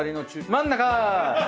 真ん中！